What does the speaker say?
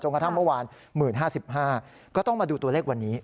กระทั่งเมื่อวาน๑๐๕๕ก็ต้องมาดูตัวเลขวันนี้